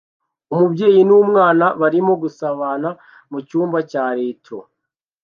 Umubyeyi n'umwana barimo gusabana mucyumba cya retro